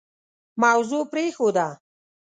موضوع پرېښوده.